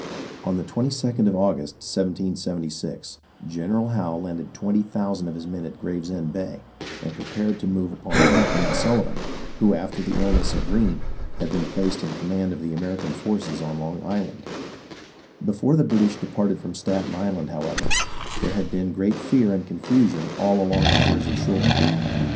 On the 22d of August, 1776, General Howe landed twenty thousand of his men at Gravesend Bay, and prepared to move upon Putnam and Sullivan, who, after the illness of Greene, had been placed in command of the American forces on Long Island, Before the British departed from Staten Island, how ever, there had been great fear and confusion all along the Jersey shore.